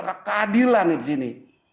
keadilan nih disini